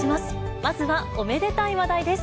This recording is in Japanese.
まずはおめでたい話題です。